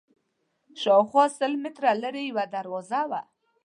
شاوخوا سل متره لرې یوه دروازه وه.